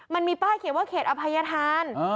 มันมีป้ายเขียนว่าเขตอภัยธาน